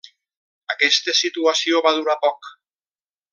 Aquesta situació va durar poc.